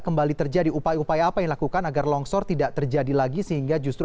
kembali terjadi upaya upaya apa yang dilakukan agar longsor tidak terjadi lagi sehingga justru